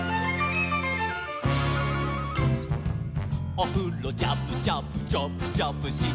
「おふろジャブジャブジャブジャブしてたら」